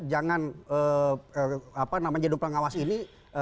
jangan apa namanya jadwal pengawas ini